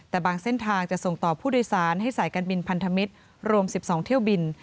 แต่บางเส้นทางจะส่งต่อผู้โดยสารให้สายการบินพันธมิตรรวม๑๒เที่ยวบิน